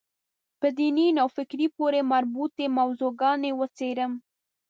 په دیني نوفکرۍ پورې مربوطې موضوع ګانې وڅېړم.